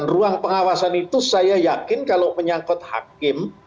ruang pengawasan itu saya yakin kalau menyangkut hakim